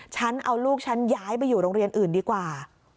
ฉันเอาลูกฉันย้ายไปอยู่โรงเรียนอื่นดีกว่า